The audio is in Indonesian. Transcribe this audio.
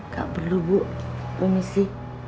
gak perlu bu permisi